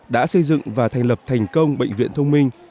đã xây dựng và thành lập thành công bệnh viện thông minh